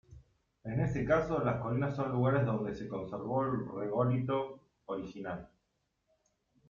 En ese caso, las colinas son lugares donde se conservó el regolito original.